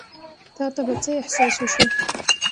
تا ته به څۀ احساس وشي ـ